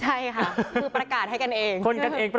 ใช่ค่ะคือประกาศให้กันเอง